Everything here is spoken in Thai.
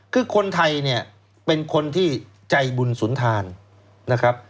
คือคนไทยเนี่ยเป็นคนที่ใจบุญสุนทานนะครับ